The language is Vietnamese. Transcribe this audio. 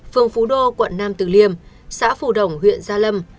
phường phú đô quận năm từ liêm xã phù đồng huyện gia lâm